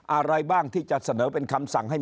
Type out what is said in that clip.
อะไรบ้างที่จะเสนอเป็นคำสั่งให้